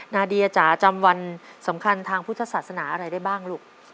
นาเดียจ๋าจำวันสำคัญทางพุทธศาสนาอะไรได้บ้างลูก